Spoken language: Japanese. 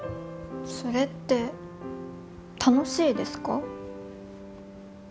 それって楽しいですか？